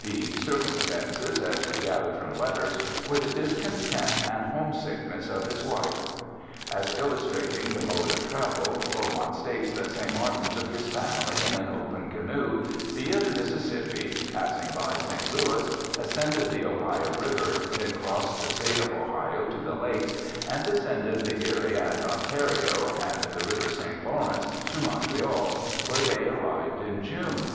The 'circumstances', as we gather from letters, were the discontent and homesickness of his wife. As illustrating the mode of travel, Beaumont states that St. Martin took his family in an open canoe * via the Mississippi, passing by St. Louis, ascended the Ohio river, then crossed the state of Ohio to the lakes, and descended the Erie and Ontario and the river St. Lawrence to Montreal, where they arrived in June'.